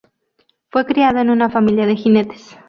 Fue criado en una familia de jinetes.